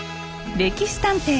「歴史探偵」